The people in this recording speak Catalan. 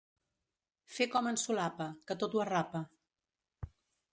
Fer com en Solapa, que tot ho arrapa.